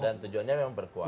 dan tujuannya memang berkuasa